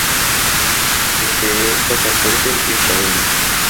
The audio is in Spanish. Posee pasaporte israelí.